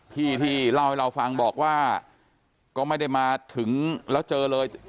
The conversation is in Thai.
พี่ที่เล่าให้เราฟังบอกว่าก็ไม่ได้มาถึงแล้วเจอเลย